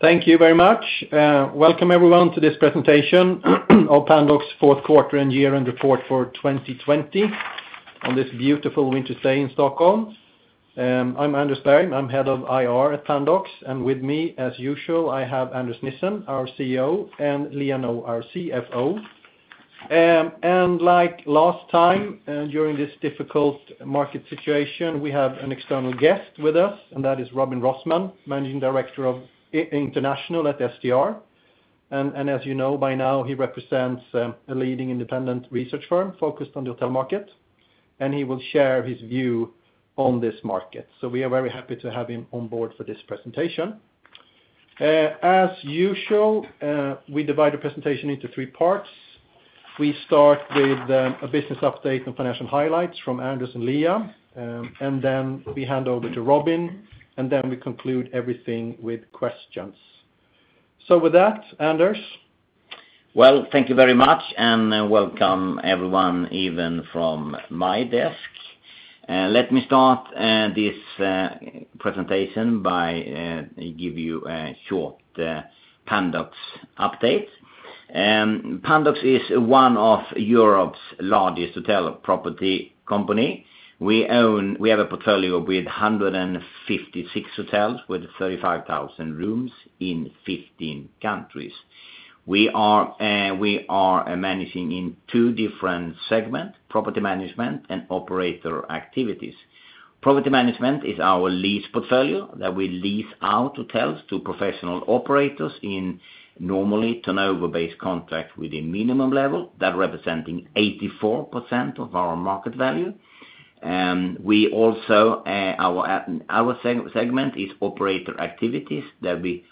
Thank you very much. Welcome everyone to this presentation of Pandox fourth quarter and year-end report for 2020 on this beautiful winter day in Stockholm. I'm Anders Berg. I'm head of IR at Pandox, and with me, as usual, I have Anders Nissen, our CEO, and Liia Nõu, our CFO. Like last time, during this difficult market situation, we have an external guest with us, and that is Robin Rossmann, managing director of international at STR. As you know by now, he represents a leading independent research firm focused on the hotel market, and he will share his view on this market. We are very happy to have him on board for this presentation. As usual, we divide the presentation into three parts. We start with a business update on financial highlights from Anders and Liia, then we hand over to Robin, then we conclude everything with questions. With that, Anders. Well, thank you very much, and welcome, everyone, even from my desk. Let me start this presentation by giving you a short Pandox update. Pandox is one of Europe's largest hotel property company. We have a portfolio with 156 hotels with 35,000 rooms in 15 countries. We are managing in two different segments, property management and operator activities. Property management is our lease portfolio that we lease our hotels to professional operators in normally turnover-based contract with a minimum level. That representing 84% of our market value. Our segment is operator activities that we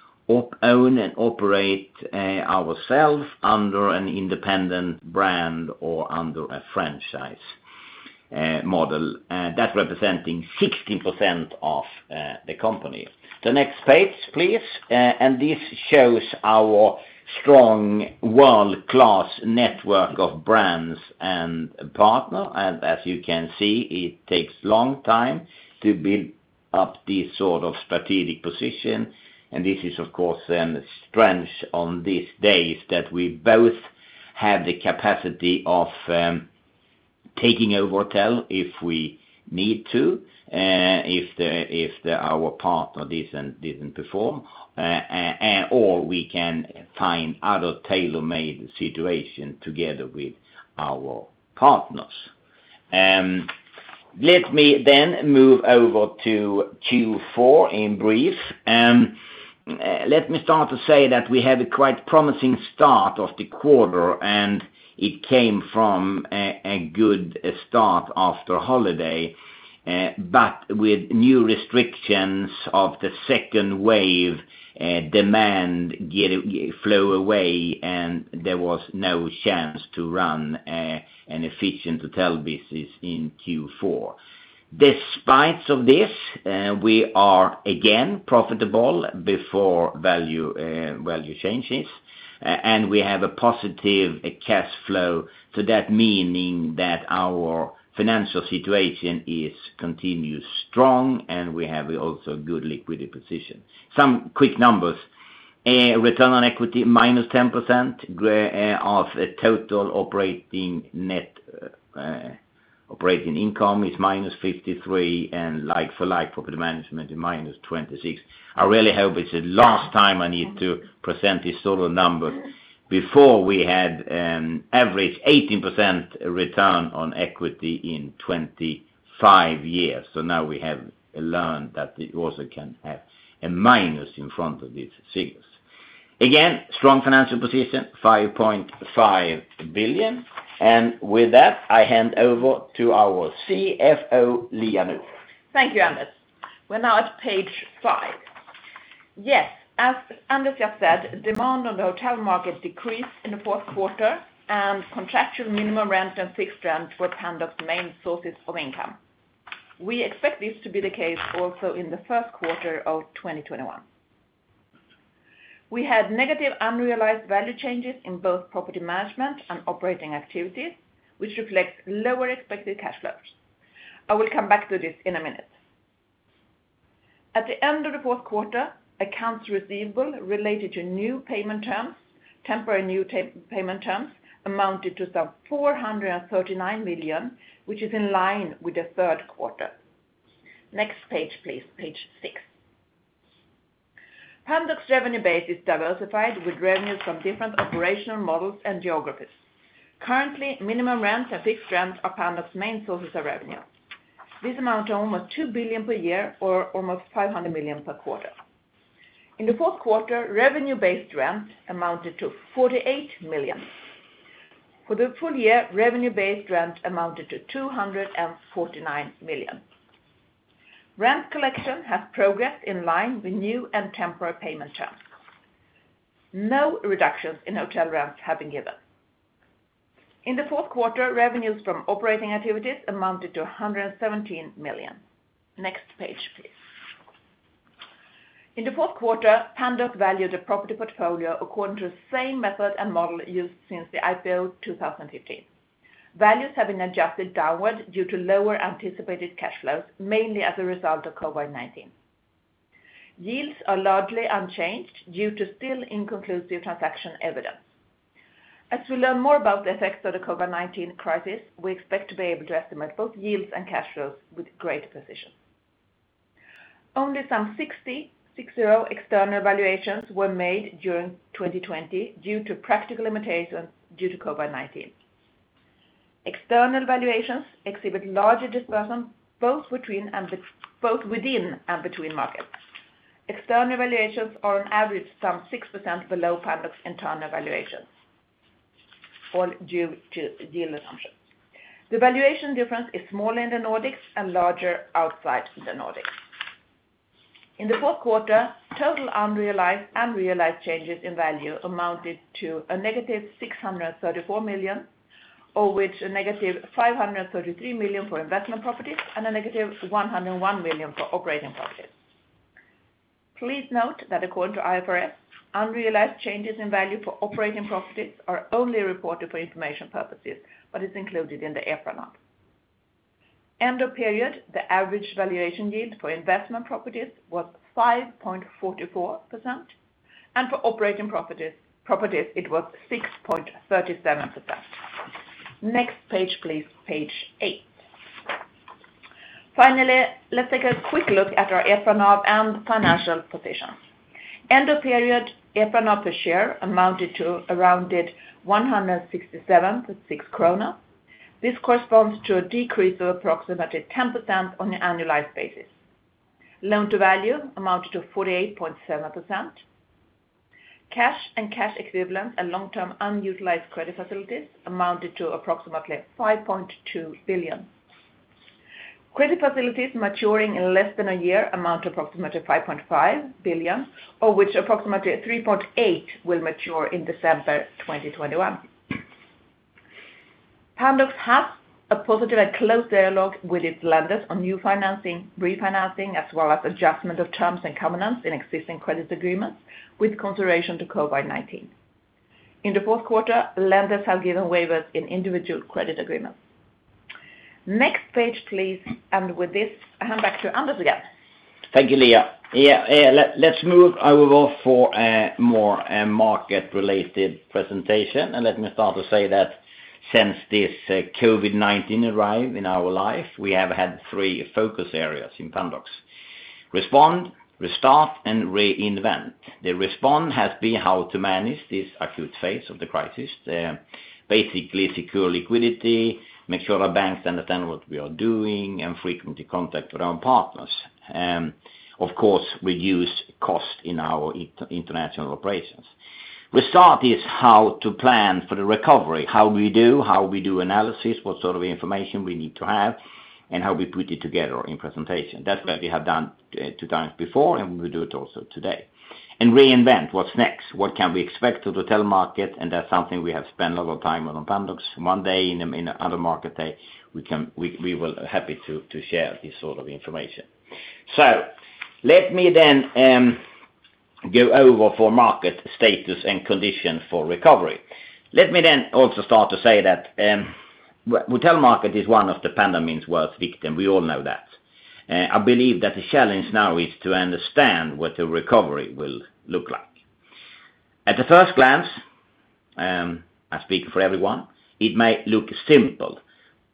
own and operate ourselves under an independent brand or under a franchise model. That's representing 16% of the company. The next page, please. This shows our strong world-class network of brands and partner. As you can see, it takes a long time to build up this sort of strategic position. This is, of course, a strength on these days that we both have the capacity of taking over hotel if we need to, if our partner didn't perform, or we can find other tailor-made situation together with our partners. Let me move over to Q4 in brief. Let me start to say that we had a quite promising start of the quarter, and it came from a good start after holiday. With new restrictions of the second wave, demand flew away, and there was no chance to run an efficient hotel business in Q4. Despite of this, we are again profitable before value changes, and we have a positive cash flow. This meaning that our financial situation is continuous strong, and we have also good liquidity position. Some quick numbers. Return on equity minus 10% of total operating income is -53, and like for like property management is -26. I really hope it's the last time I need to present this sort of numbers. Before we had an average 18% return on equity in 25 years. Now we have learned that it also can have a minus in front of these figures. Again, strong financial position, 5.5 billion. With that, I hand over to our CFO, Liia Nõu. Thank you, Anders. We're now at page five. Yes, as Anders just said, demand on the hotel market decreased in the fourth quarter, and contractual minimum rent and fixed rent were Pandox main sources of income. We expect this to be the case also in the first quarter of 2021. We had negative unrealized value changes in both property management and operating activities, which reflects lower expected cash flows. I will come back to this in a minute. At the end of the fourth quarter, accounts receivable related to temporary new payment terms amounted to some 439 million, which is in line with the third quarter. Next page, please. Page six. Pandox revenue base is diversified with revenues from different operational models and geographies. Currently, minimum rents and fixed rents are Pandox main sources of revenue. This amount to almost 2 billion per year or almost 500 million per quarter. In the fourth quarter, revenue-based rent amounted to 48 million. For the full year, revenue-based rent amounted to 249 million. Rent collection has progressed in line with new and temporary payment terms. No reductions in hotel rents have been given. In the fourth quarter, revenues from operating activities amounted to 117 million. Next page, please. In the fourth quarter, Pandox valued the property portfolio according to the same method and model used since the IPO 2015. Values have been adjusted downward due to lower anticipated cash flows, mainly as a result of COVID-19. Yields are largely unchanged due to still inconclusive transaction evidence. As we learn more about the effects of the COVID-19 crisis, we expect to be able to estimate both yields and cash flows with great precision. Only some 60, 6-0, external valuations were made during 2020 due to practical limitations due to COVID-19. External valuations exhibit larger dispersion both within and between markets. External valuations are on average some 6% below Pandox internal valuations, all due to yield assumptions. The valuation difference is smaller in the Nordics and larger outside the Nordics. In the fourth quarter, total unrealized and realized changes in value amounted to a negative 634 million, of which a negative 533 million for investment properties and a negative 101 million for operating properties. Please note that according to IFRS, unrealized changes in value for operating properties are only reported for information purposes but is included in the EPRA NAV. End of period, the average valuation yield for investment properties was 5.44%, and for operating properties, it was 6.37%. Next page, please, page eight. Finally, let's take a quick look at our EPRA NAV and financial positions. End of period, EPRA NAV per share amounted to around 167.6 krona. This corresponds to a decrease of approximately 10% on an annualized basis. Loan-to-value amounted to 48.7%. Cash and cash equivalent and long-term unutilized credit facilities amounted to approximately 5.2 billion. Credit facilities maturing in less than a year amount to approximately 5.5 billion, of which approximately 3.8 will mature in December 2021. Pandox has a positive and close dialogue with its lenders on new financing, refinancing, as well as adjustment of terms and covenants in existing credit agreements with consideration to COVID-19. In the fourth quarter, lenders have given waivers in individual credit agreements. Next page, please. With this, I hand back to Anders again. Thank you, Liia. Yeah, let's move over for a more market-related presentation. Let me start to say that since this COVID-19 arrived in our life, we have had three focus areas in Pandox: respond, restart, and reinvent. The respond has been how to manage this acute phase of the crisis. Basically secure liquidity, make sure our banks understand what we are doing, and frequently contact our own partners. Of course, reduce cost in our international operations. Restart is how to plan for the recovery, how we do analysis, what sort of information we need to have, and how we put it together in presentation. That's what we have done two times before, and we will do it also today. Reinvent. What's next? What can we expect to the hotel market? That's something we have spent a lot of time on in Pandox. One day in another market day, we will happy to share this sort of information. Let me then go over for market status and condition for recovery. Let me then also start to say that hotel market is one of the pandemic's worst victim. We all know that. I believe that the challenge now is to understand what the recovery will look like. At the first glance, I speak for everyone, it may look simple,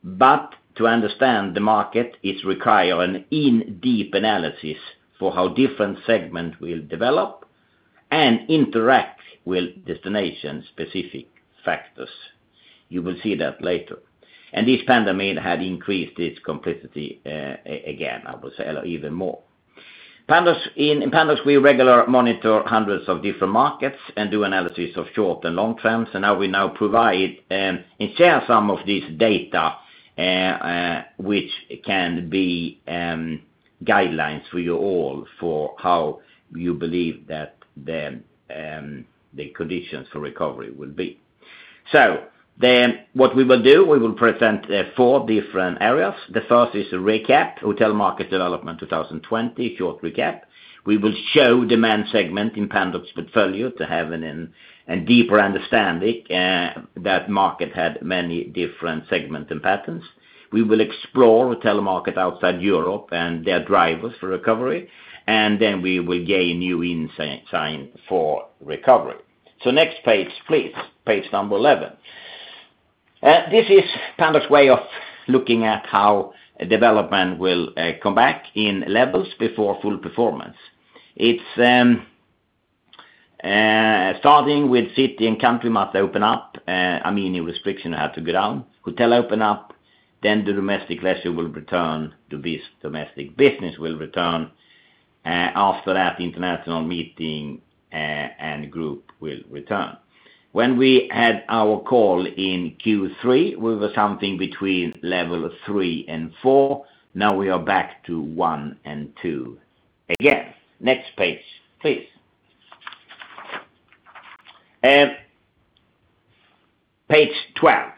but to understand the market, it require an in-depth analysis for how different segment will develop and interact with destination-specific factors. You will see that later. This pandemic had increased its complexity, again, I would say even more. In Pandox, we regularly monitor hundreds of different markets and do analysis of short and long terms. How we now provide and share some of this data, which can be guidelines for you all for how you believe that the conditions for recovery will be. What we will do, we will present four different areas. The first is a recap, hotel market development 2020, short recap. We will show demand segment in Pandox portfolio to have a deeper understanding that market had many different segment and patterns. We will explore hotel market outside Europe and their drivers for recovery, and then we will gain new insight for recovery. Next page, please. Page number 11. This is Pandox way of looking at how development will come back in levels before full performance. It's starting with city and country must open up, meaning restriction had to go down. Hotel open up, then the domestic leisure will return to this. Domestic business will return. After that, international meeting and group will return. When we had our call in Q3, we were something between level 3 and 4. Now we are back to 1 and 2 again. Next page, please. Page 12.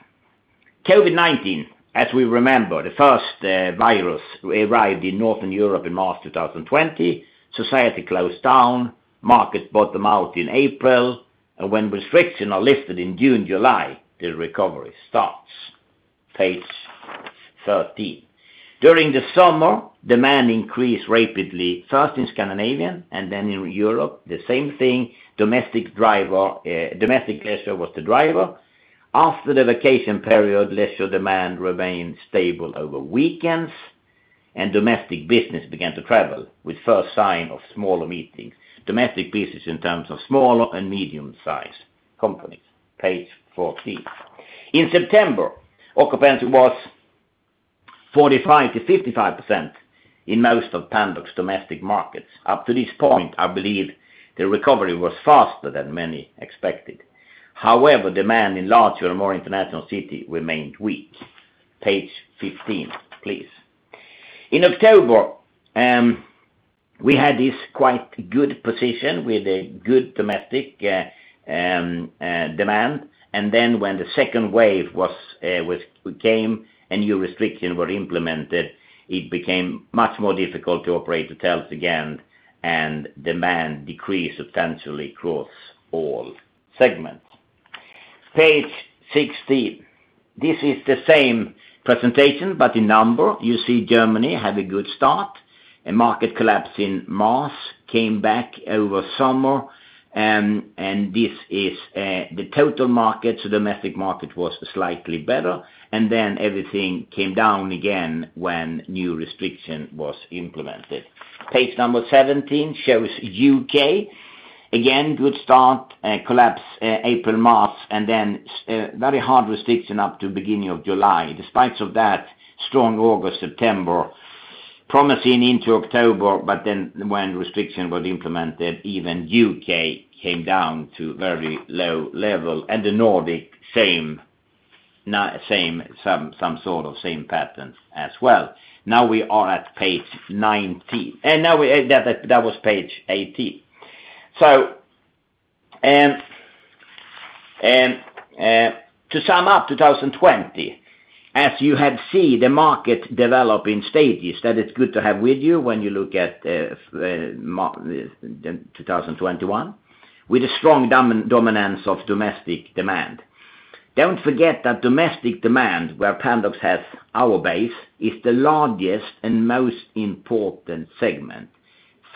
COVID-19, as we remember, the first virus arrived in Northern Europe in March 2020. Society closed down. Market bottom out in April. When restriction are lifted in June, July, the recovery starts. Page 13. During the summer, demand increased rapidly, first in Scandinavia and then in Europe. The same thing, domestic leisure was the driver. After the vacation period, leisure demand remained stable over weekends and domestic business began to travel with first sign of smaller meetings. Domestic business in terms of smaller and medium size companies. Page 14. In September, occupancy was 45%-55% in most of Pandox domestic markets. Up to this point, I believe the recovery was faster than many expected. However, demand in larger, more international city remained weak. Page 15, please. In October, we had this quite good position with a good domestic demand, when the second wave came and new restriction were implemented, it became much more difficult to operate hotels again and demand decreased substantially across all segments. Page 16. This is the same presentation but in number. You see Germany had a good start. A market collapse in March, came back over summer. This is the total market. Domestic market was slightly better everything came down again when new restriction was implemented. Page number 17 shows U.K. Again, good start, a collapse April, March, very hard restriction up to beginning of July. Despite of that, strong August, September, promising into October, when restriction was implemented, even U.K. came down to very low level. The Nordic, some sort of same patterns as well. That was page 18. To sum up 2020, as you had see, the market develop in stages. That it's good to have with you when you look at 2021, with a strong dominance of domestic demand. Don't forget that domestic demand, where Pandox has our base, is the largest and most important segment,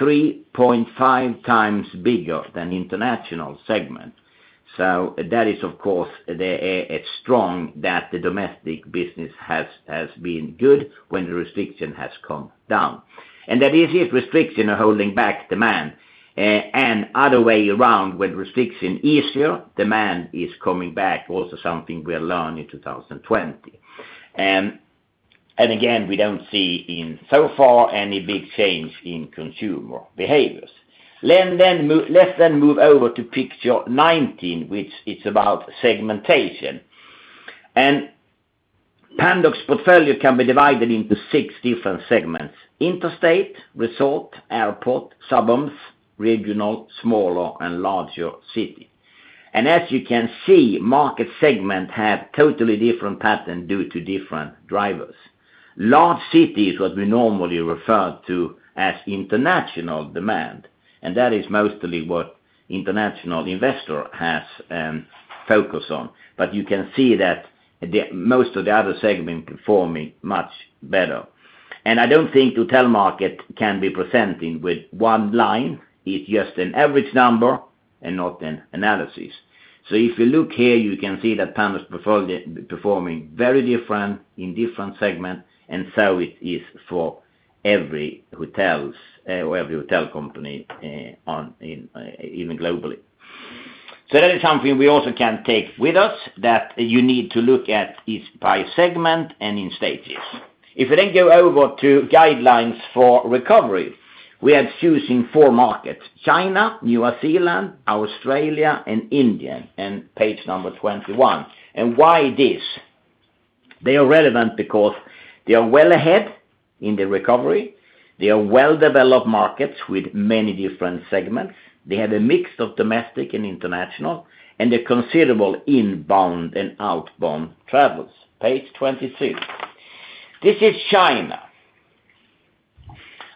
3.5 times bigger than international segment. That is, of course, strong that the domestic business has been good when the restriction has come down. That is, if restriction are holding back demand and other way around, when restriction easier, demand is coming back, also something we learned in 2020. Again, we don't see in so far any big change in consumer behaviors. Let's move over to picture 19, which it's about segmentation. Pandox portfolio can be divided into six different segments: interstate, resort, airport, suburbs, regional, smaller and larger city. As you can see, market segment have totally different pattern due to different drivers. Large cities would be normally referred to as international demand, and that is mostly what international investor has focus on. You can see that most of the other segment performing much better. I don't think hotel market can be presented with one line. It's just an average number and not an analysis. If you look here, you can see that Pandox performing very different in different segment, and so it is for every hotel company even globally. That is something we also can take with us, that you need to look at each price segment and in stages. If we go over to guidelines for recovery, we are choosing four markets, China, New Zealand, Australia, and India in page 21. Why this? They are relevant because they are well ahead in the recovery. They are well-developed markets with many different segments. They have a mix of domestic and international, and a considerable inbound and outbound travels. Page 22. This is China.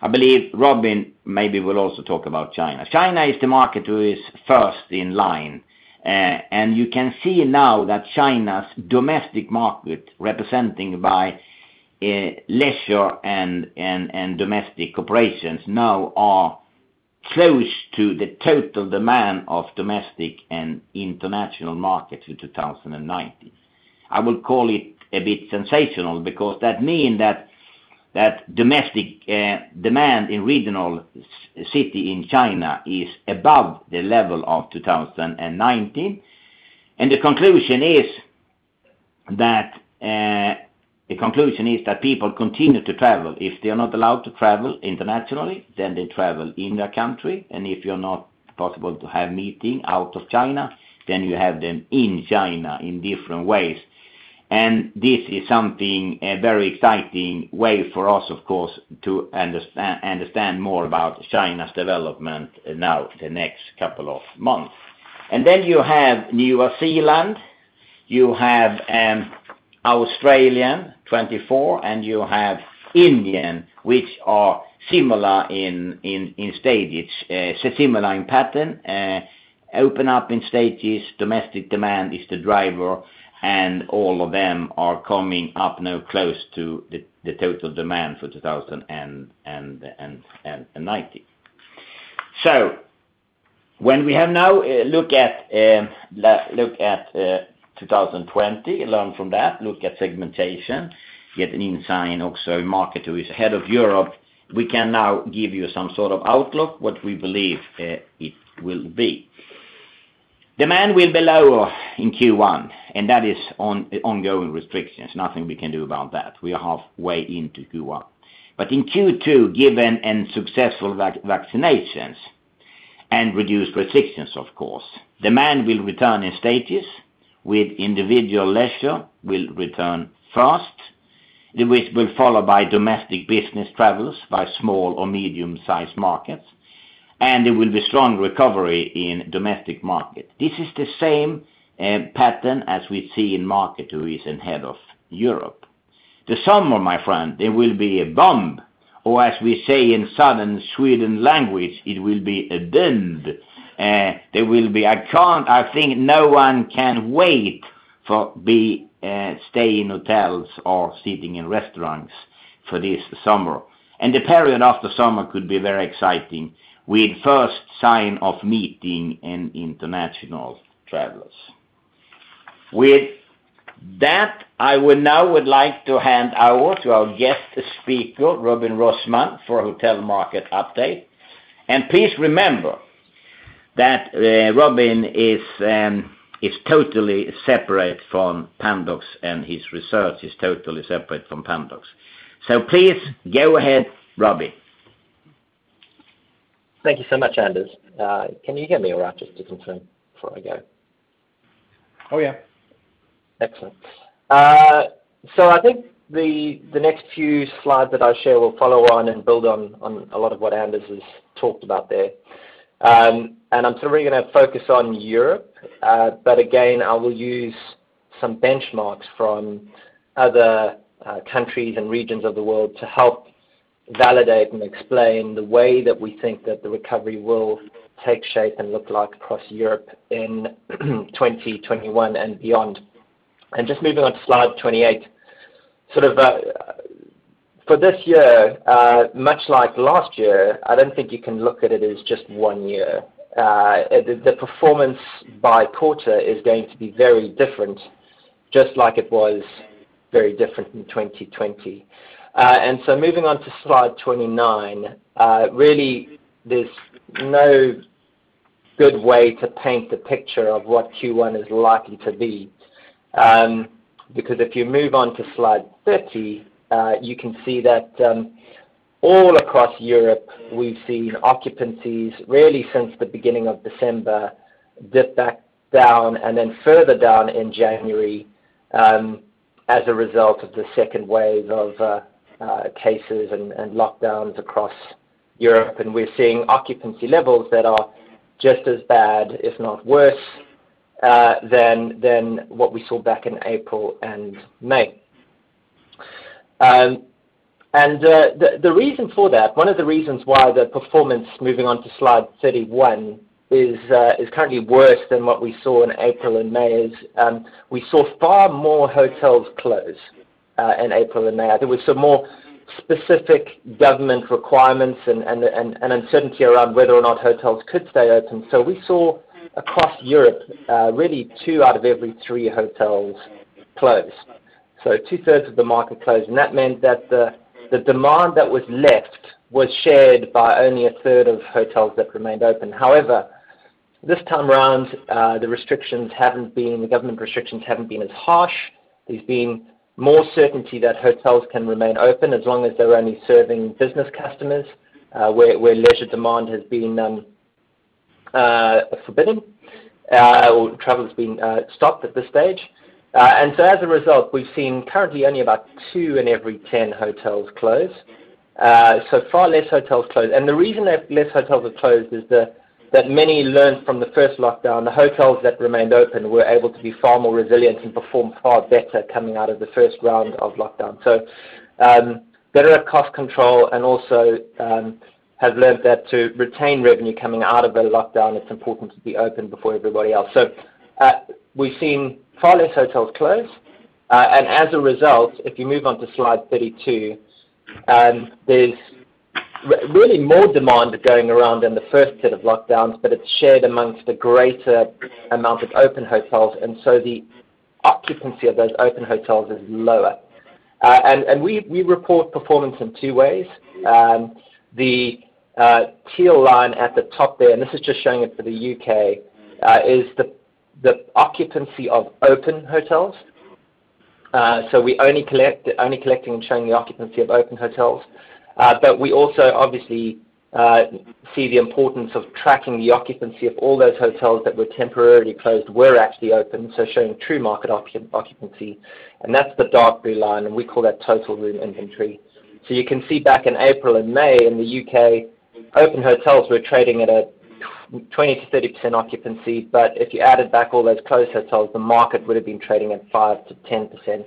I believe Robin maybe will also talk about China. China is the market who is first in line. You can see now that China's domestic market, representing by leisure and domestic operations now are close to the total demand of domestic and international markets in 2019. I would call it a bit sensational because that mean that domestic demand in regional city in China is above the level of 2019. The conclusion is that people continue to travel. If they are not allowed to travel internationally, then they travel in their country. If you're not possible to have meeting out of China, then you have them in China in different ways. This is something very exciting way for us, of course, to understand more about China's development now the next couple of months. You have New Zealand, you have Australia, 24, and you have India, which are similar in stages, similar in pattern. Open up in stages. Domestic demand is the driver, and all of them are coming up now close to the total demand for 2019. When we have now looked at 2020, learned from that, looked at segmentation, get an insight also in Markit, who is head of Europe, we can now give you some sort of outlook, what we believe it will be. Demand will be lower in Q1, that is ongoing restrictions. Nothing we can do about that. We are halfway into Q1. In Q2, given successful vaccinations and reduced restrictions, of course, demand will return in stages, with individual leisure will return first, which will be followed by domestic business travels by small or medium-sized markets. There will be strong recovery in domestic market. This is the same pattern as we see in Markit, who is in head of Europe. The summer, my friend, there will be a bomb, or as we say in southern Sweden language, it will be a dömd. I think no one can wait for stay in hotels or sitting in restaurants for this summer. The period after summer could be very exciting with first sign of meeting in international travelers. With that, I would now like to hand over to our guest speaker, Robin Rossmann, for hotel market update. Please remember that Robin is totally separate from Pandox and his research is totally separate from Pandox. Please go ahead, Robin. Thank you so much, Anders. Can you hear me all right, just to confirm before I go? Oh, yeah. Excellent. I think the next few slides that I share will follow on and build on a lot of what Anders has talked about there. I'm sort of really going to focus on Europe. Again, I will use some benchmarks from other countries and regions of the world to help validate and explain the way that we think that the recovery will take shape and look like across Europe in 2021 and beyond. Just moving on to slide 28. For this year, much like last year, I don't think you can look at it as just one year. The performance by quarter is going to be very different, just like it was very different in 2020. Moving on to slide 29. Really, there's no good way to paint the picture of what Q1 is likely to be. If you move on to slide 30, you can see that all across Europe, we've seen occupancies, really since the beginning of December, dip back down and then further down in January as a result of the second wave of cases and lockdowns across Europe. We're seeing occupancy levels that are just as bad, if not worse, than what we saw back in April and May. The reason for that, one of the reasons why the performance, moving on to slide 31, is currently worse than what we saw in April and May is we saw far more hotels close in April and May. There were some more specific government requirements and uncertainty around whether or not hotels could stay open. We saw across Europe, really two out of every three hotels closed. Two-thirds of the market closed, and that meant that the demand that was left was shared by only a third of hotels that remained open. However, this time around the government restrictions haven't been as harsh. There's been more certainty that hotels can remain open as long as they're only serving business customers, where leisure demand has been forbidden, or travel's been stopped at this stage. As a result, we've seen currently only about two in every 10 hotels close. Far less hotels closed. The reason that less hotels have closed is that many learned from the first lockdown. The hotels that remained open were able to be far more resilient and perform far better coming out of the first round of lockdown. Better at cost control and also have learned that to retain revenue coming out of the lockdown, it's important to be open before everybody else. We've seen far less hotels close. As a result, if you move on to slide 32, there's really more demand going around than the first set of lockdowns, but it's shared amongst a greater amount of open hotels, the occupancy of those open hotels is lower. We report performance in two ways. The teal line at the top there, this is just showing it for the U.K., is the occupancy of open hotels. We're only collecting and showing the occupancy of open hotels. We also obviously see the importance of tracking the occupancy of all those hotels that were temporarily closed were actually open, so showing true market occupancy, and that's the dark blue line, and we call that total room inventory. You can see back in April and May in the U.K., open hotels were trading at a 20%-30% occupancy. If you added back all those closed hotels, the market would have been trading at 5%-10%.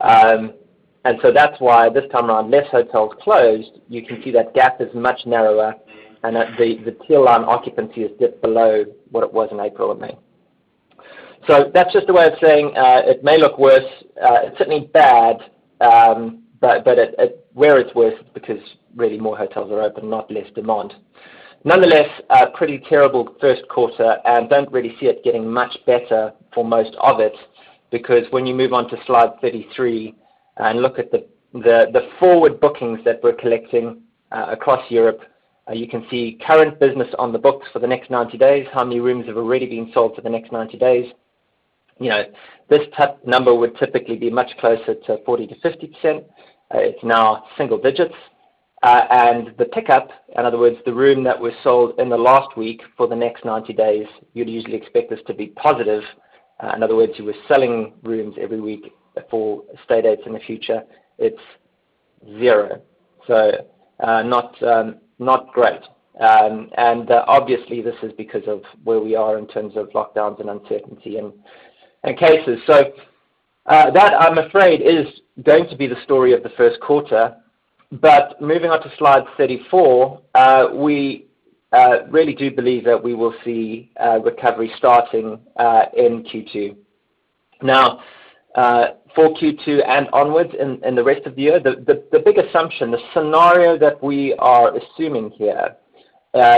That's why this time around, less hotels closed. You can see that gap is much narrower and that the teal line occupancy is dipped below what it was in April and May. That's just a way of saying it may look worse. It's certainly bad, but where it's worse is because really more hotels are open, not less demand. Nonetheless, a pretty terrible first quarter, and don't really see it getting much better for most of it. When you move on to slide 33 and look at the forward bookings that we're collecting across Europe, you can see current business on the books for the next 90 days, how many rooms have already been sold for the next 90 days. This number would typically be much closer to 40%-50%. It's now single digits. The pickup, in other words, the room that was sold in the last week for the next 90 days, you'd usually expect this to be positive. In other words, you were selling rooms every week for stay dates in the future. It's zero. Not great. Obviously, this is because of where we are in terms of lockdowns and uncertainty and cases. That, I'm afraid, is going to be the story of the 1st quarter. Moving on to slide 34, we really do believe that we will see recovery starting in Q2. For Q2 and onwards in the rest of the year, the big assumption, the scenario that we are assuming here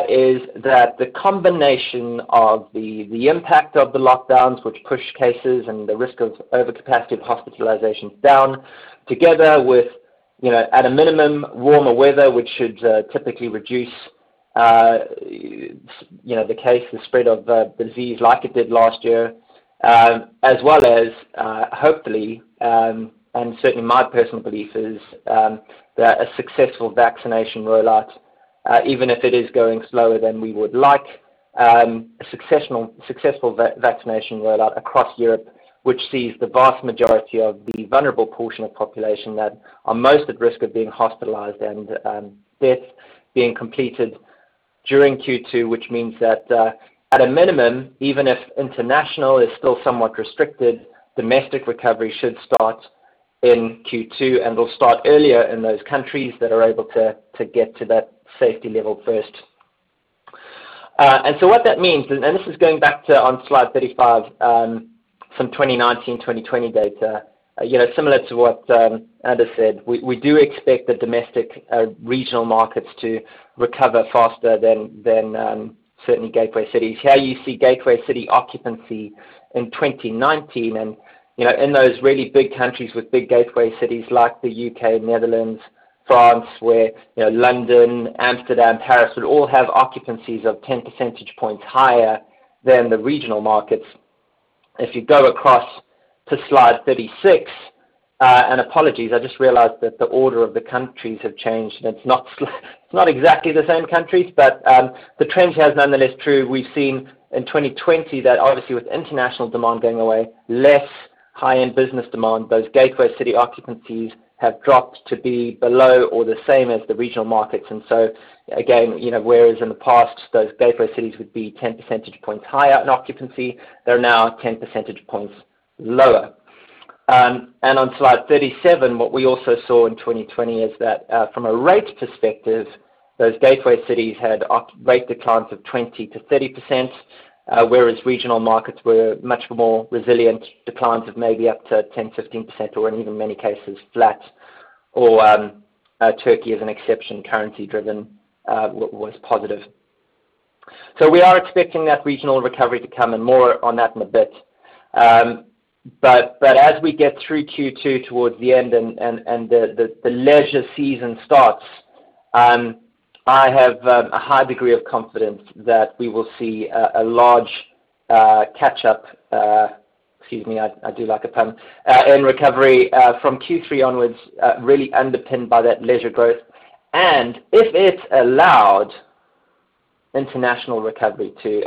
is that the combination of the impact of the lockdowns, which push cases and the risk of overcapacity of hospitalizations down together with, at a minimum, warmer weather, which should typically reduce the spread of the disease like it did last year. As well as, hopefully, and certainly my personal belief is that a successful vaccination rollout even if it is going slower than we would like. A successful vaccination rollout across Europe, which sees the vast majority of the vulnerable portion of population that are most at risk of being hospitalized and deaths being completed during Q2. Which means that at a minimum, even if international is still somewhat restricted, domestic recovery should start in Q2 and will start earlier in those countries that are able to get to that safety level first. What that means, and this is going back to on slide 35, some 2019, 2020 data. Similar to what Anders said, we do expect the domestic regional markets to recover faster than certainly gateway cities. Here you see gateway city occupancy in 2019. In those really big countries with big gateway cities like the U.K., Netherlands, France, where London, Amsterdam, Paris would all have occupancies of 10 percentage points higher than the regional markets. If you go across to slide 36, apologies, I just realized that the order of the countries have changed, it's not exactly the same countries. The trend here is nonetheless true. We've seen in 2020 that obviously with international demand going away, less high-end business demand, those gateway city occupancies have dropped to be below or the same as the regional markets. Again, whereas in the past, those gateway cities would be 10 percentage points higher in occupancy, they're now 10 percentage points lower. On slide 37, what we also saw in 2020 is that from a rate perspective, those gateway cities had rate declines of 20%-30%, whereas regional markets were much more resilient, declines of maybe up to 10%, 15% or in even many cases, flat or Turkey as an exception, currency driven, was positive. We are expecting that regional recovery to come, and more on that in a bit. As we get through Q2 towards the end and the leisure season starts, I have a high degree of confidence that we will see a large catch-up. Excuse me, I do like a pun, in recovery from Q3 onwards, really underpinned by that leisure growth. If it's allowed, international recovery too.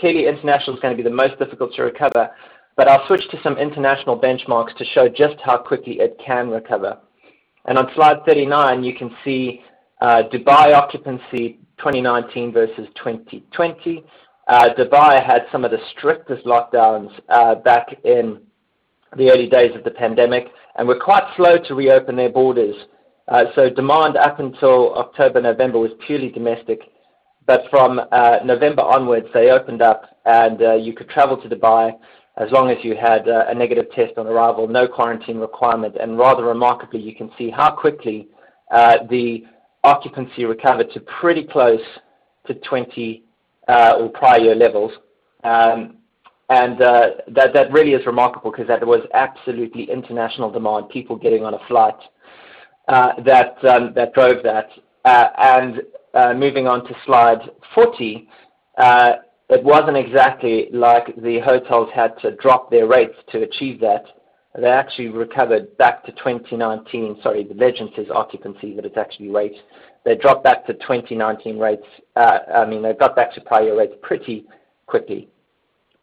Clearly international is going to be the most difficult to recover, but I'll switch to some international benchmarks to show just how quickly it can recover. On slide 39, you can see Dubai occupancy 2019 versus 2020. Dubai had some of the strictest lockdowns back in the early days of the pandemic and were quite slow to reopen their borders. Demand up until October, November was purely domestic. From November onwards, they opened up, and you could travel to Dubai as long as you had a negative test on arrival, no quarantine requirement. Rather remarkably, you can see how quickly the occupancy recovered to pretty close to prior year levels. That really is remarkable because that was absolutely international demand, people getting on a flight that drove that. Moving on to slide 40, it wasn't exactly like the hotels had to drop their rates to achieve that. They actually recovered back to 2019. Sorry, the legend says occupancy, but it's actually rates. I mean, they got back to prior year rates pretty quickly.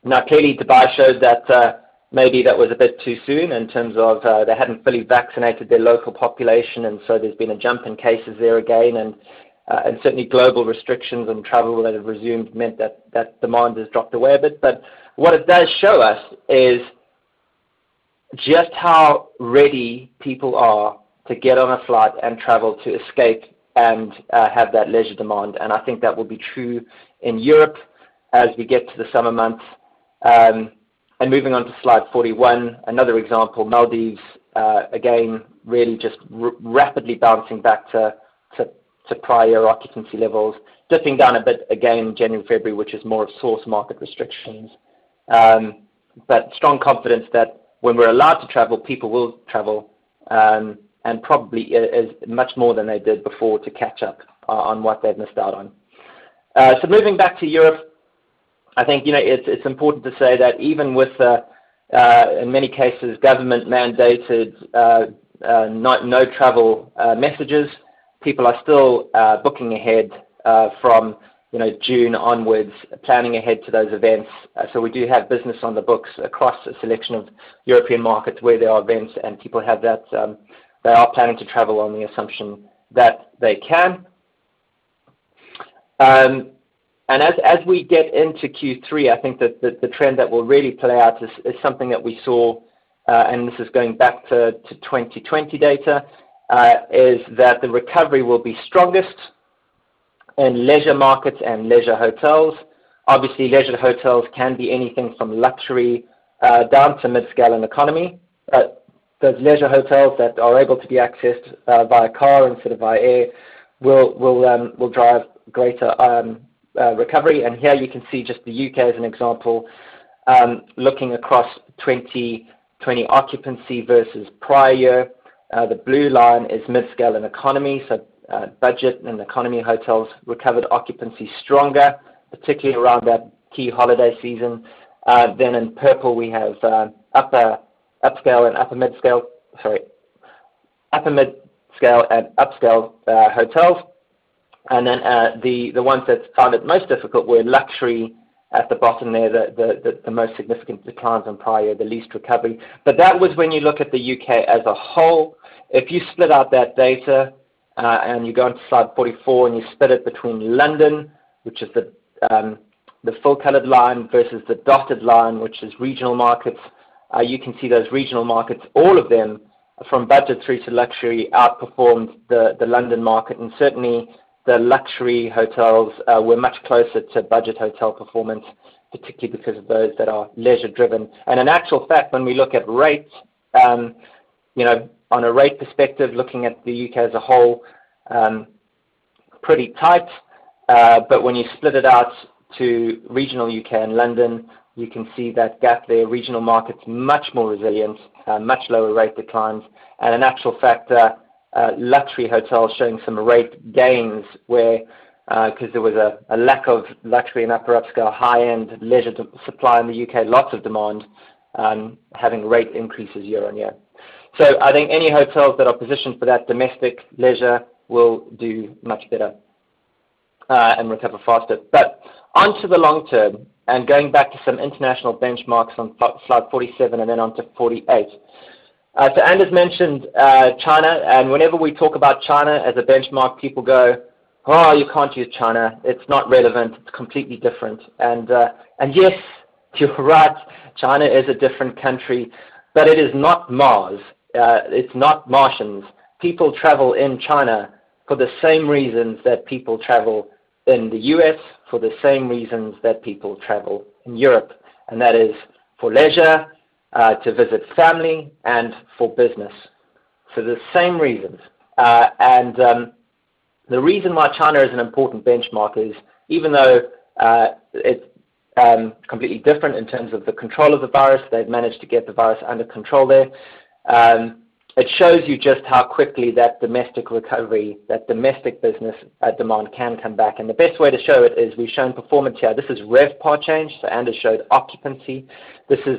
Clearly, Dubai shows that maybe that was a bit too soon in terms of they hadn't fully vaccinated their local population. There's been a jump in cases there again. Certainly global restrictions on travel that have resumed meant that demand has dropped away a bit. What it does show us is just how ready people are to get on a flight and travel to escape and have that leisure demand. I think that will be true in Europe as we get to the summer months. Moving on to slide 41, another example, Maldives, again, really just rapidly bouncing back to prior occupancy levels. Dipping down a bit again in January, February, which is more of source market restrictions. Strong confidence that when we're allowed to travel, people will travel, and probably much more than they did before to catch up on what they've missed out on. Moving back to Europe, I think it's important to say that even with, in many cases, government-mandated no travel messages, people are still booking ahead from June onwards, planning ahead to those events. We do have business on the books across a selection of European markets where there are events, and people have that. They are planning to travel on the assumption that they can. As we get into Q3, I think that the trend that will really play out is something that we saw, and this is going back to 2020 data, is that the recovery will be strongest in leisure markets and leisure hotels. Obviously, leisure hotels can be anything from luxury down to mid-scale and economy. Those leisure hotels that are able to be accessed via car instead of via air will drive greater recovery. Here you can see just the U.K. as an example. Looking across 2020 occupancy versus prior year, the blue line is mid-scale and economy. Budget and economy hotels recovered occupancy stronger, particularly around that key holiday season. In purple, we have upper upscale and upper mid-scale. Sorry. Upper mid-scale and upscale hotels. The ones that found it most difficult were luxury at the bottom there, the most significant declines on prior, the least recovery. That was when you look at the U.K. as a whole. If you split out that data, and you go onto slide 44, and you split it between London, which is the full-colored line, versus the dotted line, which is regional markets, you can see those regional markets, all of them, from budget through to luxury, outperformed the London market. Certainly, the luxury hotels were much closer to budget hotel performance, particularly because of those that are leisure-driven. In actual fact, when we look at rates, on a rate perspective, looking at the U.K. as a whole, pretty tight. When you split it out to regional U.K. and London, you can see that gap there. Regional markets much more resilient, much lower rate declines. In actual fact, luxury hotels showing some rate gains where, because there was a lack of luxury and upper upscale, high-end leisure supply in the U.K., lots of demand, having rate increases year-over-year. I think any hotels that are positioned for that domestic leisure will do much better, and recover faster. Onto the long term, and going back to some international benchmarks on slide 47 and then onto 48. Anders mentioned China, and whenever we talk about China as a benchmark, people go, "Oh, you can't use China. It's not relevant. It's completely different." Yes, you're right, China is a different country, but it is not Mars. It's not Martians. People travel in China for the same reasons that people travel in the U.S., for the same reasons that people travel in Europe, and that is for leisure, to visit family, and for business. For the same reasons. The reason why China is an important benchmark is even though it's completely different in terms of the control of the virus, they've managed to get the virus under control there. It shows you just how quickly that domestic recovery, that domestic business demand can come back. The best way to show it is we've shown performance here. This is RevPAR change. Anders showed occupancy. This is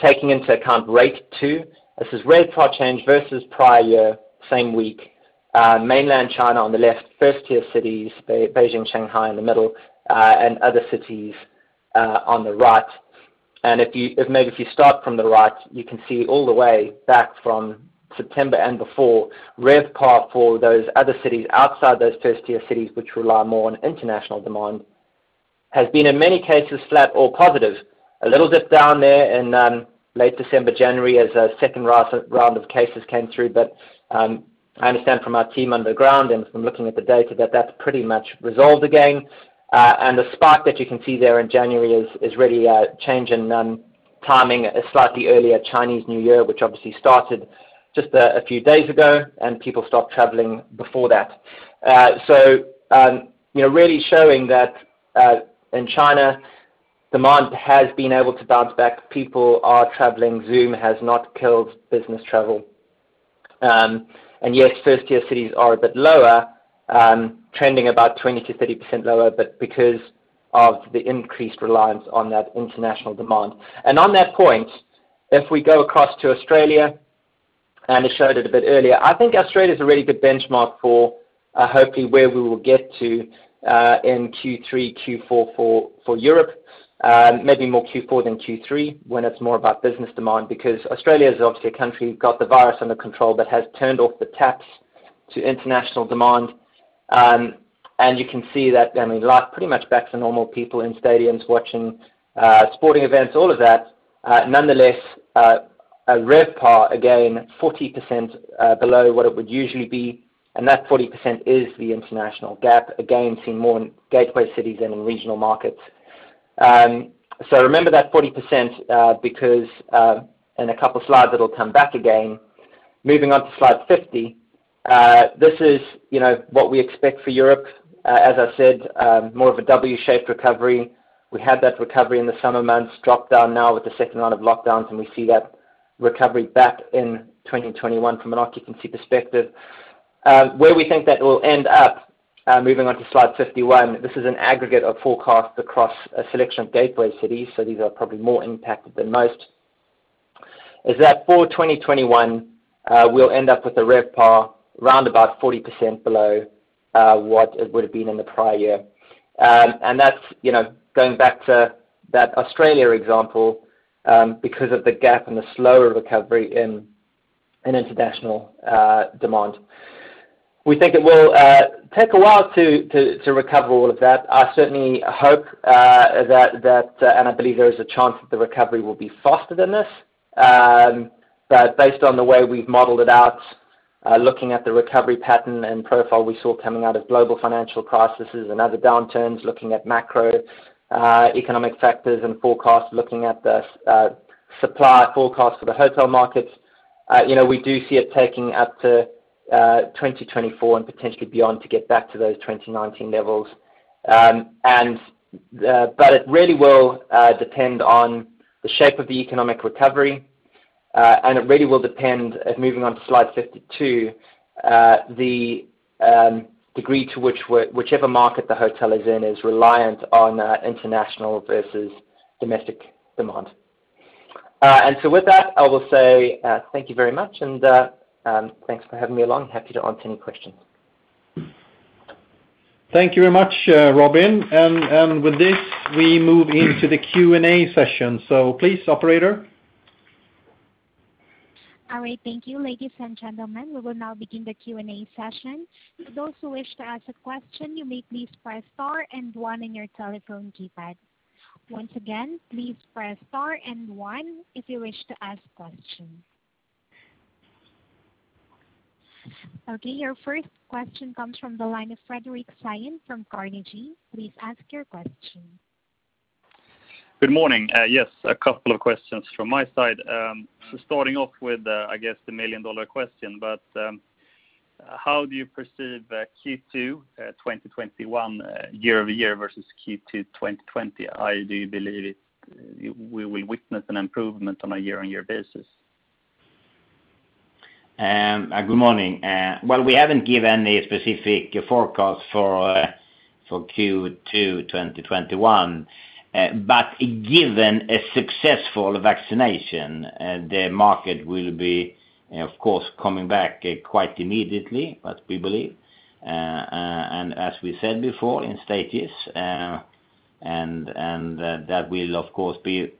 taking into account rate too. This is RevPAR change versus prior year, same week. Mainland China on the left, first-tier cities, Beijing, Shanghai in the middle, other cities on the right. Maybe if you start from the right, you can see all the way back from September and before, RevPAR for those other cities outside those first-tier cities, which rely more on international demand, has been, in many cases, flat or positive. A little dip down there in late December, January as a second round of cases came through. I understand from our team on the ground and from looking at the data that that's pretty much resolved again. The spike that you can see there in January is really a change in timing, a slightly earlier Chinese New Year, which obviously started just a few days ago, and people stopped traveling before that. Really showing that in China, demand has been able to bounce back. People are traveling. Zoom has not killed business travel. Yes, first-tier cities are a bit lower, trending about 20%-30% lower, but because of the increased reliance on that international demand. On that point, if we go across to Australia, Anders showed it a bit earlier. I think Australia is a really good benchmark for hopefully where we will get to in Q3, Q4 for Europe. Maybe more Q4 than Q3 when it's more about business demand, because Australia's obviously a country who got the virus under control but has turned off the taps to international demand. You can see that life pretty much back to normal, people in stadiums watching sporting events, all of that. Nonetheless, our RevPAR, again, 40% below what it would usually be, and that 40% is the international gap, again, seen more in gateway cities than in regional markets. Remember that 40% because in a couple slides it'll come back again. Moving on to slide 50. This is what we expect for Europe. As I said, more of a W-shaped recovery. We had that recovery in the summer months, drop down now with the second round of lockdowns, and we see that recovery back in 2021 from an occupancy perspective. Where we think that will end up, moving on to slide 51. This is an aggregate of forecast across a selection of gateway cities, so these are probably more impacted than most. Is that for 2021, we'll end up with a RevPAR around about 40% below what it would have been in the prior year. That's going back to that Australia example, because of the gap and the slower recovery in international demand. We think it will take a while to recover all of that. I certainly hope and I believe there is a chance that the recovery will be faster than this. Based on the way we've modeled it out, looking at the recovery pattern and profile we saw coming out of global financial crises and other downturns, looking at macroeconomic factors and forecasts, looking at the supply forecast for the hotel markets. We do see it taking up to 2024 and potentially beyond to get back to those 2019 levels. It really will depend on the shape of the economic recovery. It really will depend, moving on to slide 52, the degree to whichever market the hotel is in is reliant on international versus domestic demand. With that, I will say thank you very much, and thanks for having me along. Happy to answer any questions. Thank you very much, Robin. With this, we move into the Q&A session. Please, operator. All right, thank you. Ladies and gentlemen, we will now begin the Q&A session. Those who wish to ask a question, you may please press star and one on your telephone keypad. Once again, please press star and one if you wish to ask questions. Okay, your first question comes from the line of Fredrik Stéen from Carnegie. Please ask your question. Good morning. Yes, a couple of questions from my side. Starting off with, I guess the million-dollar question, but how do you perceive Q2 2021 year-over-year versus Q2 2020? Do you believe we will witness an improvement on a year-on-year basis? Good morning. Well, we haven't given any specific forecast for Q2 2021. Given a successful vaccination, the market will be, of course, coming back quite immediately, what we believe. As we said before in stages, and that will, of course, be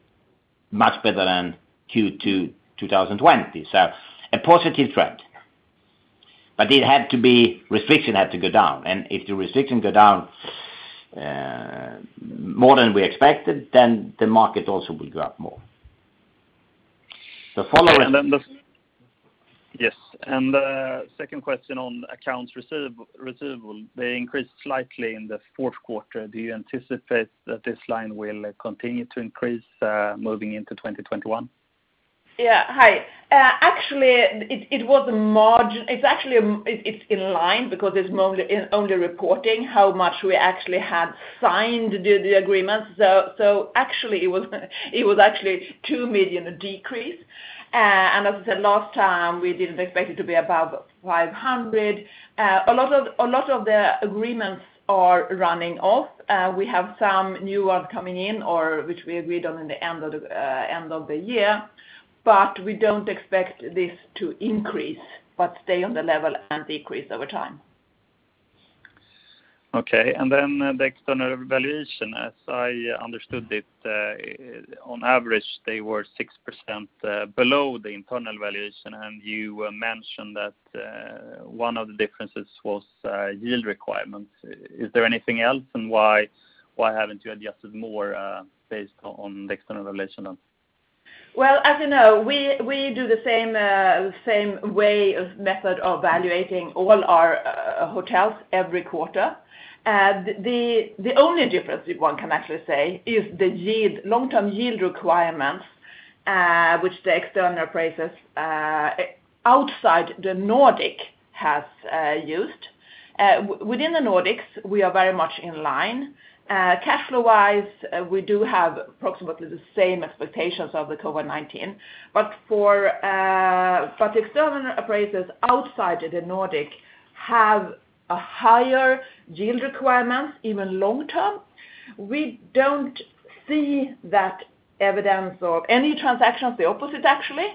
much better than Q2 2020. A positive trend. Restrictions have to go down. If the restrictions go down more than we expected, then the market also will go up more. Yes. The second question on accounts receivable. They increased slightly in the fourth quarter. Do you anticipate that this line will continue to increase moving into 2021? Yeah. Hi. Actually, it's in line because it's only reporting how much we actually had signed the agreements. It was actually 2 million decrease. As I said last time, we didn't expect it to be above 500. A lot of the agreements are running off. We have some new ones coming in, or which we agreed on in the end of the year. We don't expect this to increase, but stay on the level and decrease over time. Okay. The external valuation. As I understood it, on average, they were 6% below the internal valuation. You mentioned that one of the differences was yield requirements. Is there anything else? Why haven't you adjusted more based on the external valuation? As you know, we do the same way of method of valuating all our hotels every quarter. The only difference one can actually say is the long-term yield requirements which the external appraisers outside the Nordic have used. Within the Nordics, we are very much in line. Cash flow-wise, we do have approximately the same expectations of the COVID-19. External appraisers outside the Nordic have a higher yield requirement, even long-term. We don't see that evidence of any transactions. The opposite actually.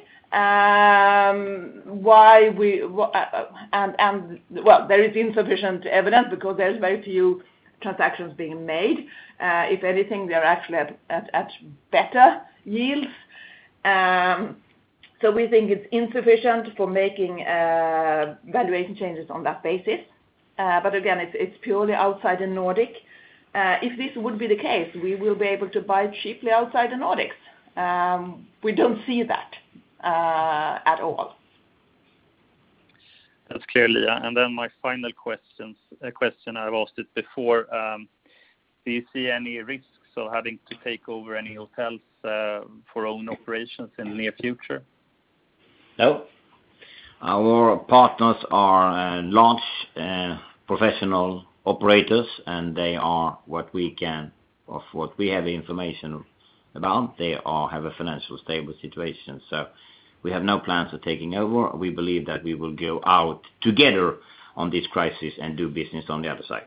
There is insufficient evidence because there's very few transactions being made. If anything, they're actually at better yields. We think it's insufficient for making valuation changes on that basis. Again, it's purely outside the Nordic. If this would be the case, we will be able to buy cheaply outside the Nordics. We don't see that at all. That's clear. My final question, I've asked it before. Do you see any risks of having to take over any hotels for own operations in the near future? No. Our partners are large professional operators, and of what we have information about, they all have a financially stable situation. We have no plans of taking over. We believe that we will go out together on this crisis and do business on the other side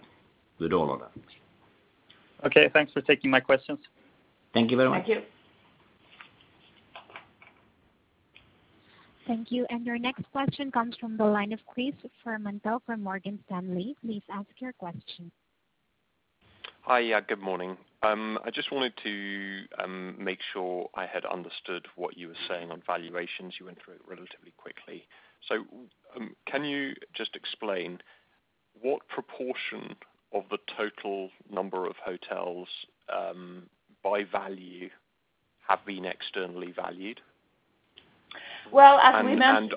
with all of them. Okay, thanks for taking my questions. Thank you very much. Thank you. Thank you. Your next question comes from the line of Chris Fermontel from Morgan Stanley. Please ask your question. Hi. Good morning. I just wanted to make sure I had understood what you were saying on valuations. You went through it relatively quickly. Can you just explain what proportion of the total number of hotels by value have been externally valued? Well, as we mentioned.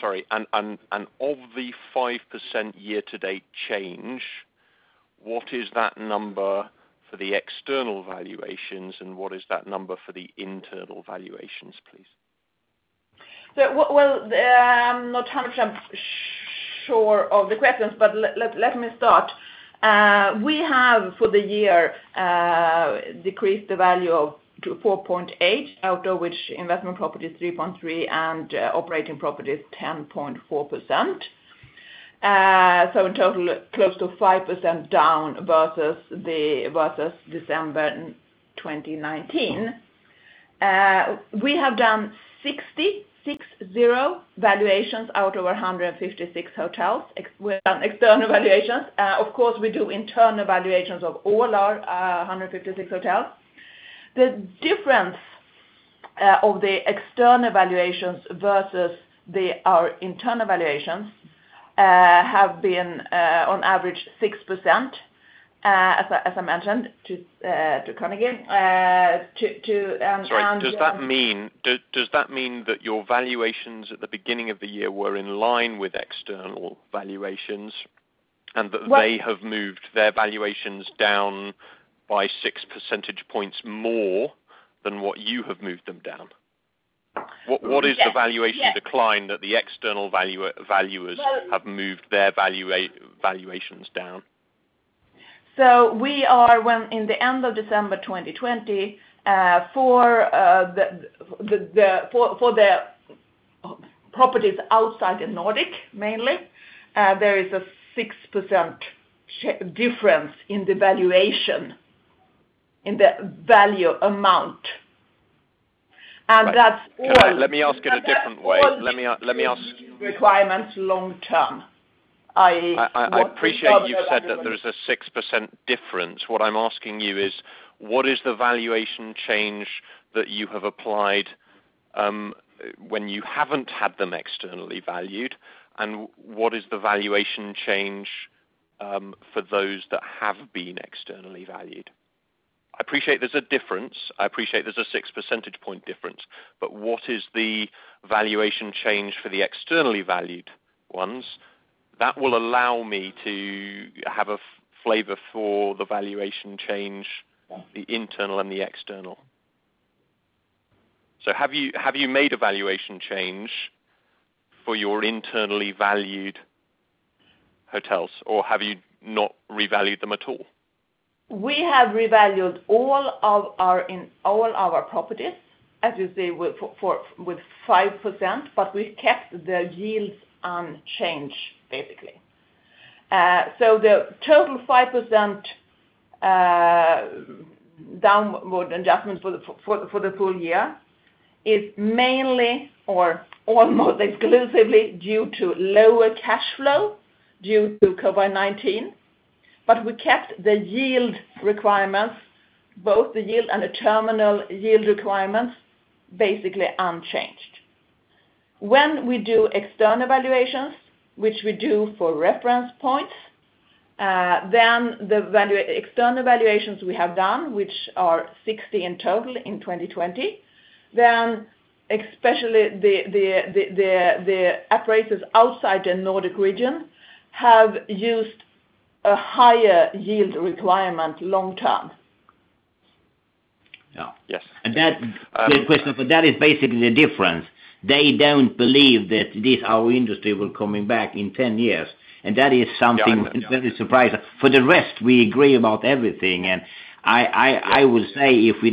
Sorry, of the 5% year to date change, what is that number for the external valuations and what is that number for the internal valuations, please? Well, I'm not 100% sure of the questions, but let me start. We have, for the year, decreased the value to 4.8% out of which investment property is 3.3% and operating property is 10.4%. In total, close to 5% down versus December 2019. We have done 60 valuations out of 156 hotels. We've done external valuations. Of course, we do internal valuations of all our 156 hotels. The difference of the external valuations versus our internal valuations have been on average 6%, as I mentioned to Carnegie. Sorry, does that mean that your valuations at the beginning of the year were in line with external valuations and that they have moved their valuations down by six percentage points more than what you have moved them down? Yes. What is the valuation decline that the external valuers have moved their valuations down? We are in the end of December 2020, for the properties outside the Nordic, mainly, there is a 6% difference in the valuation, in the value amount. That's all. Let me ask it a different way. Requirements long term. I appreciate you've said that there is a 6% difference. What I'm asking you is, what is the valuation change that you have applied when you haven't had them externally valued? What is the valuation change for those that have been externally valued? I appreciate there's a difference. I appreciate there's a six percentage point difference, but what is the valuation change for the externally valued ones? That will allow me to have a flavor for the valuation change, the internal and the external. Have you made a valuation change for your internally valued hotels or have you not revalued them at all? We have revalued all our properties, as you say, with 5%, but we've kept the yields unchanged, basically. The total 5% downward adjustment for the full year is mainly or almost exclusively due to lower cash flow due to COVID-19. We kept the yield requirements, both the yield and the terminal yield requirements, basically unchanged. When we do external valuations, which we do for reference points, the external valuations we have done, which are 60 in total in 2020, especially the appraisers outside the Nordic region have used a higher yield requirement long term. Yeah. Yes. That is basically the difference. They don't believe that our industry will be coming back in 10 years, and that is something that is very surprising. For the rest, we agree about everything. I will say if we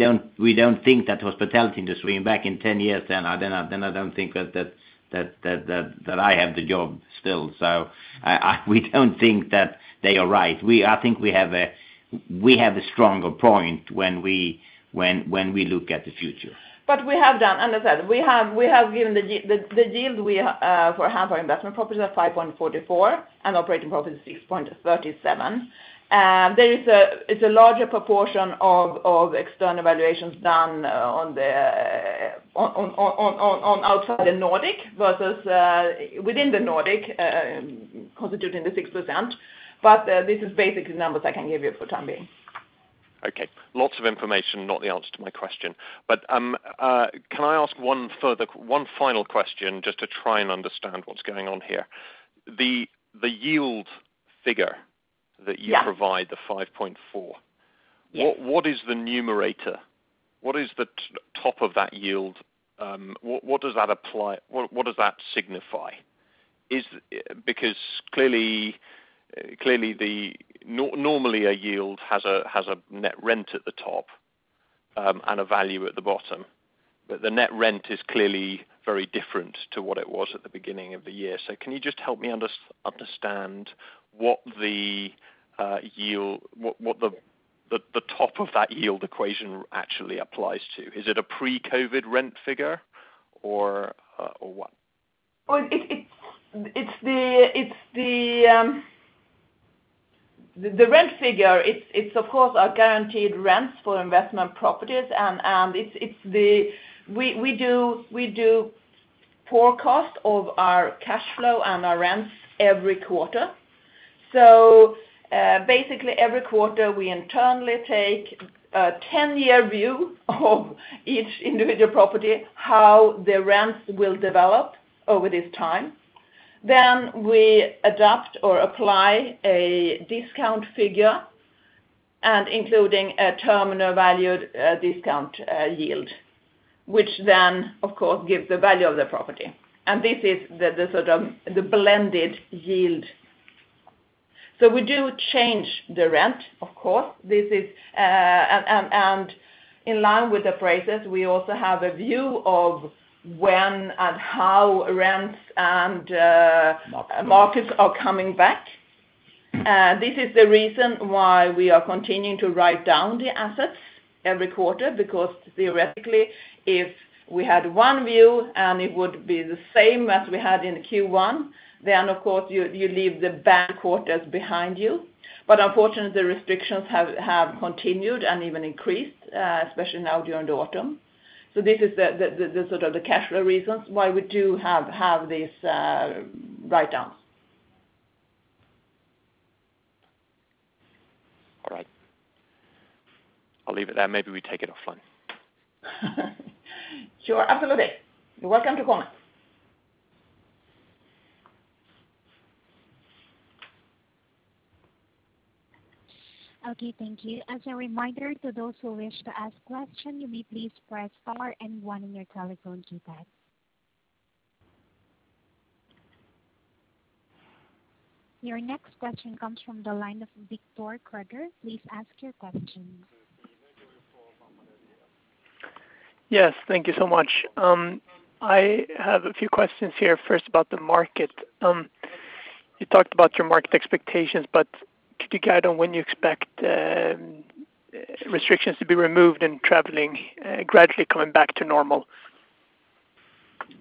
don't think that hospitality industry will be back in 10 years, then I don't think that I have the job still. We don't think that they are right. I think we have a stronger point when we look at the future. Understand, the yield we have for investment properties are 5.44% and operating properties 6.37%. It's a larger proportion of external valuations done on the outside the Nordic versus within the Nordic, constituting the 6%. This is basically the numbers I can give you for time being. Okay. Lots of information, not the answer to my question. Can I ask one final question just to try and understand what's going on here? The yield figure that you provide- Yeah the 5.4. Yeah. What is the numerator? What is the top of that yield? What does that signify? Clearly, normally a yield has a net rent at the top and a value at the bottom. The net rent is clearly very different to what it was at the beginning of the year. Can you just help me understand what the top of that yield equation actually applies to? Is it a pre-COVID rent figure or what? The rent figure, it's of course our guaranteed rents for investment properties, and we do forecast of our cash flow and our rents every quarter. Basically, every quarter, we internally take a one-year view of each individual property, how the rents will develop over this time. Then we adopt or apply a discount figure, and including a terminal valued discount yield. Which then, of course, gives the value of the property. This is the blended yield. We do change the rent, of course. In line with the prices, we also have a view of when and how rents. Markets markets are coming back. This is the reason why we are continuing to write down the assets every quarter, because theoretically, if we had one view and it would be the same as we had in Q1, then, of course, you leave the bad quarters behind you. Unfortunately, the restrictions have continued and even increased, especially now during the autumn. This is the sort of the cash flow reasons why we do have these write-downs. All right. I'll leave it there. Maybe we take it offline. Sure, absolutely. You're welcome to call. Okay, thank you. As a reminder to those who wish to ask question, you may please press star and one on your telephone keypad. Your next question comes from the line of Victor Krüeger. Please ask your question. Yes, thank you so much. I have a few questions here first about the market. You talked about your market expectations, could you guide on when you expect restrictions to be removed and traveling gradually coming back to normal?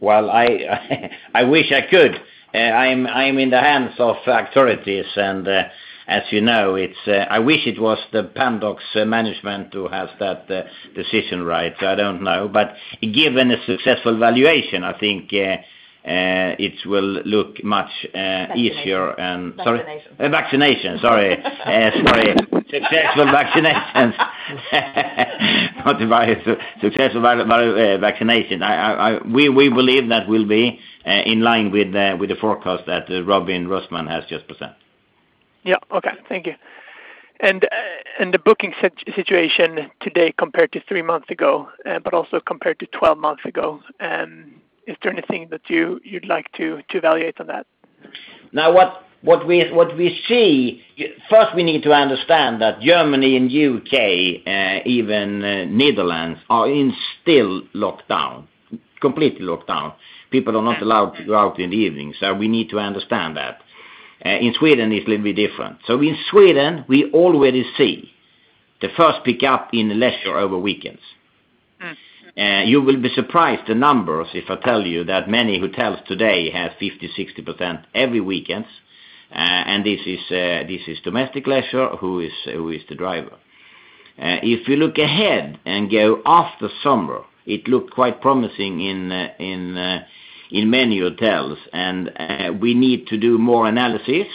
Well, I wish I could. I am in the hands of authorities, and as you know, I wish it was the Pandox management who has that decision right. I don't know. Given a successful valuation, I think it will look much easier and- Vaccination. Sorry? Vaccination. Successful vaccination. We believe that we'll be in line with the forecast that Robin Rossmann has just presented. Yeah, okay. Thank you. The booking situation today compared to three months ago, but also compared to 12 months ago, is there anything that you'd like to evaluate on that? First, we need to understand that Germany and U.K., even Netherlands, are in still lockdown, completely locked down. People are not allowed to go out in the evening, we need to understand that. In Sweden, it's a little bit different. In Sweden, we already see the first pickup in leisure over weekends. You will be surprised the numbers, if I tell you that many hotels today have 50%, 60% every weekends. This is domestic leisure who is the driver. If you look ahead and go after summer, it looked quite promising in many hotels. We need to do more analysis.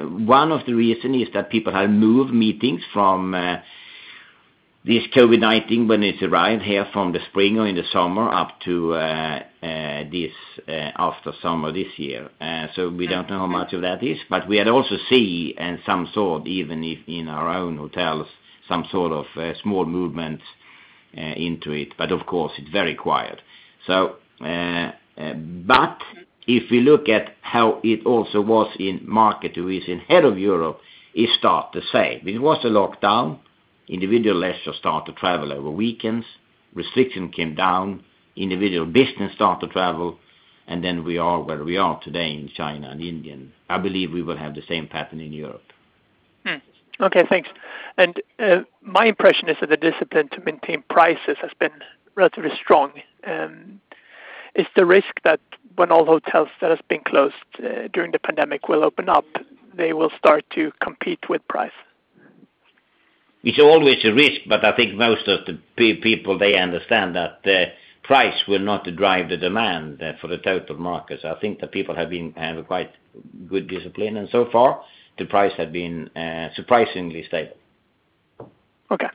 One of the reason is that people have moved meetings from this COVID-19 when it arrived here from the spring or in the summer up to this after summer this year. We don't know how much of that is, but we had also see some sort, even if in our own hotels, some sort of small movement into it, but of course, it's very quiet. If you look at how it also was in Markit, who is ahead of Europe, it start the same. It was a lockdown. Individual leisure start to travel over weekends. Restriction came down. Individual business start to travel. We are where we are today in China and India. I believe we will have the same pattern in Europe. Okay, thanks. My impression is that the discipline to maintain prices has been relatively strong. Is the risk that when all hotels that has been closed during the pandemic will open up, they will start to compete with price? It's always a risk, but I think most of the people understand that the price will not drive the demand for the total market. I think the people have had quite good discipline, and so far, the price has been surprisingly stable. Okay.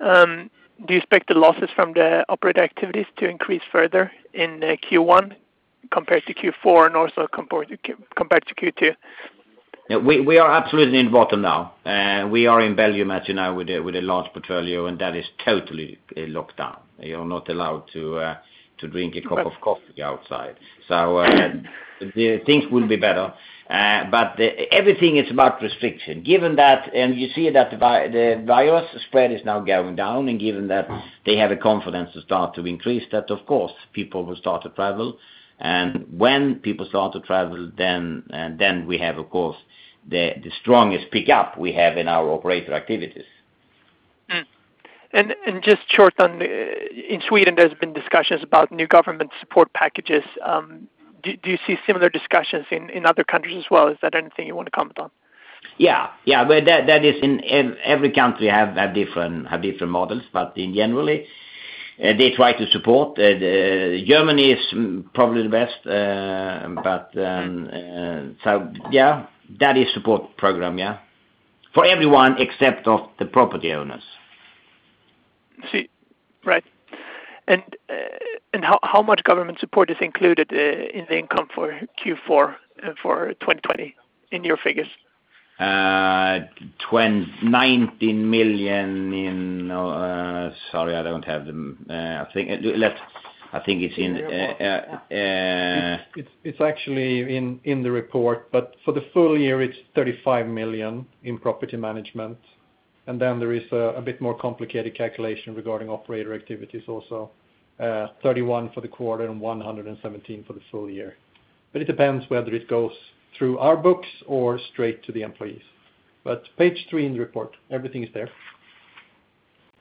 Do you expect the losses from the operator activities to increase further in Q1 compared to Q4 and also compared to Q2? We are absolutely in bottom now. We are in Belgium as you know with a large portfolio, and that is totally locked down. You're not allowed to drink a cup of coffee outside. Things will be better. Everything is about restriction. Given that, and you see that the virus spread is now going down, and given that they have the confidence to start to increase that, of course, people will start to travel. When people start to travel, then we have, of course, the strongest pickup we have in our operator activities. In Sweden, there's been discussions about new government support packages. Do you see similar discussions in other countries as well? Is that anything you want to comment on? Yeah. Every country have different models, but in generally, they try to support. Germany is probably the best. Yeah, that is support program, yeah. For everyone except of the property owners. I see. Right. How much government support is included in the income for Q4 for 2020 in your figures? 19 million. Sorry, I don't have them. I think it's It's actually in the report, for the full year, it's 35 million in property management. Then there is a bit more complicated calculation regarding operator activities also. 31 for the quarter and 117 for the full year. It depends whether it goes through our books or straight to the employees. Page three in the report, everything is there.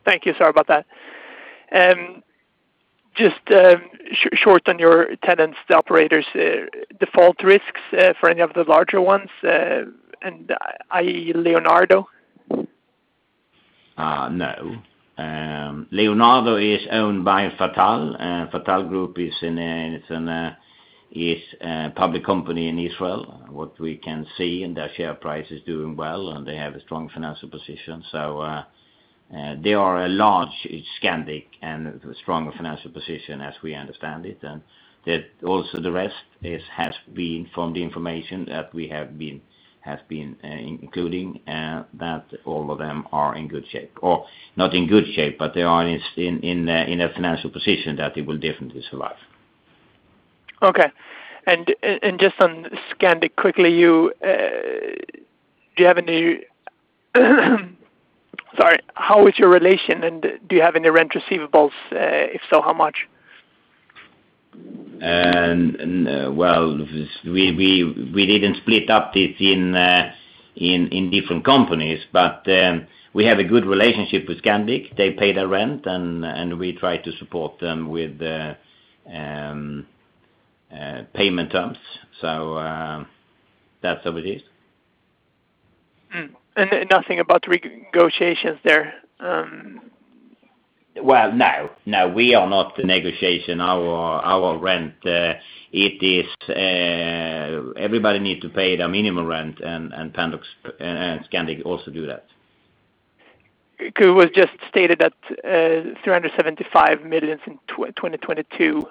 Thank you. Sorry about that. Just short on your tenants, the operators default risks for any of the larger ones, and i.e. Leonardo? No. Leonardo is owned by Fattal. Fattal Group is a public company in Israel. What we can see, and their share price is doing well, and they have a strong financial position. They are a large Scandic and stronger financial position as we understand it. Also the rest from the information that we have been including that all of them are in good shape. Not in good shape, but they are in a financial position that they will definitely survive. Okay. Just on Scandic quickly, how is your relation and do you have any rent receivables? If so, how much? Well, we didn't split up this in different companies. We have a good relationship with Scandic. They pay their rent. We try to support them with payment terms. That's how it is. Nothing about negotiations there? Well, no. We are not negotiating our rent. Everybody needs to pay their minimum rent. Pandox and Scandic also do that. It was just stated that 375 million in 2022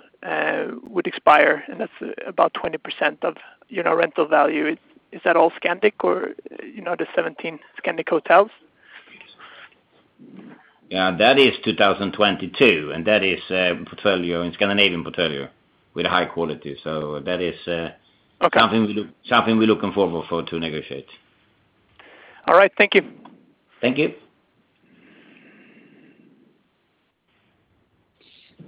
would expire. That's about 20% of rental value. Is that all Scandic or the 17 Scandic hotels? Yeah. That is 2022. That is Scandinavian portfolio with high quality. Okay something we're looking forward for to negotiate. All right. Thank you. Thank you.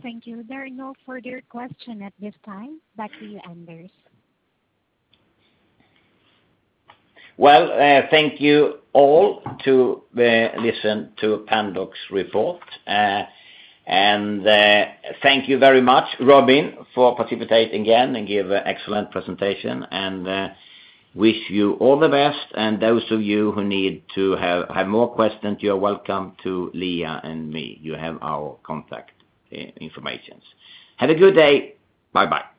Thank you. There are no further questions at this time. Back to you, Anders. Thank you all to listen to Pandox report. Thank you very much, Robin, for participating again and give an excellent presentation. Wish you all the best. Those of you who need to have more questions, you are welcome to Liia and me. You have our contact informations. Have a good day. Bye-bye.